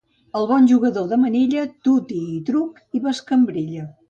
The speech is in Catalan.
El bon jugador de manilla, tuti i truc i bescambrilla.